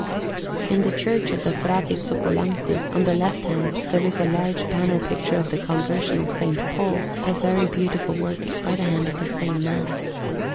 In the Church of the Frati Zoccolanti, on the left hand, there is a large panel picture of the Conversion of S. Paul, a very beautiful work, by the hand of the same man.